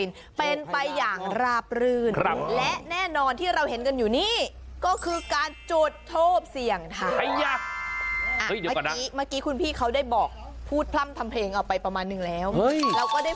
ทำเพลงออกไปประมาณหนึ่งแล้วเฮ้ยเราก็ได้ฟังไปแล้วได้ดู